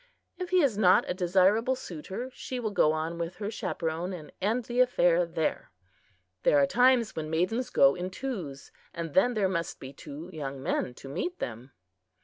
If he is not a desirable suitor, she will go with her chaperon and end the affair there. There are times when maidens go in twos, and then there must be two young men to meet them.